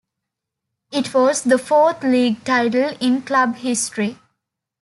It was the fourth league title in club history.